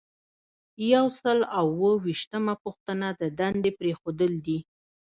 یو سل او اووه ویشتمه پوښتنه د دندې پریښودل دي.